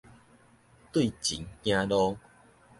對繩行路